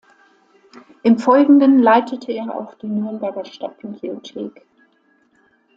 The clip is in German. Im Folgenden leitete er auch die Nürnberger Stadtbibliothek.